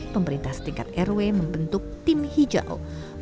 pemerintah setingkat rw membentuk tim hijau